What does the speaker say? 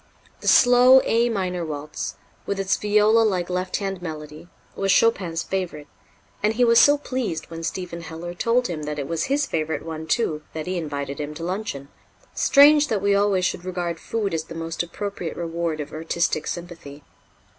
The slow A minor "Waltz," with its viola like left hand melody, was Chopin's favorite, and he was so pleased when Stephen Heller told him that it was his favorite one, too, that he invited him to luncheon. (Strange that we always should regard food as the most appropriate reward of artistic sympathy!)